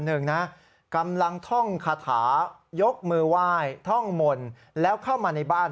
หนึ่งนะกำลังท่องคาถายกมือไหว้ท่องมนต์แล้วเข้ามาในบ้าน